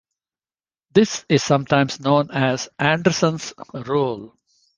This is sometimes known as "Anderson's Rule".